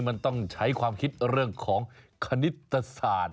มันต้องใช้ความคิดเรื่องของคณิตศาสตร์